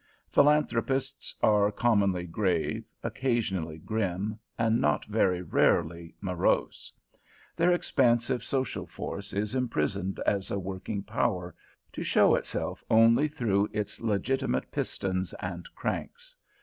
Philanthropists are commonly grave, occasionally grim, and not very rarely morose. Their expansive social force is imprisoned as a working power, to show itself only through its legitimate pistons and cranks.